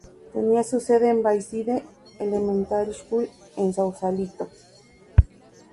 Tenía su sede en la "Bayside Elementary School" en Sausalito.